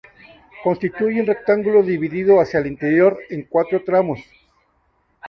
Constituye un rectángulo dividido hacia el interior en cuatro tramos.